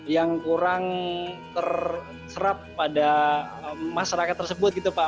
yang kurang terserap pada masyarakat tersebut gitu pak